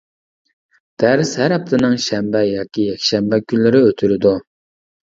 دەرس ھەر ھەپتىنىڭ شەنبە ياكى يەكشەنبە كۈنلىرى ئۆتۈلىدۇ.